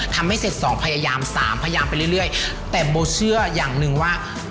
ทำให้เสร็จสองพยายามสามพยายามไปเรื่อยเรื่อยแต่โบเชื่ออย่างหนึ่งว่า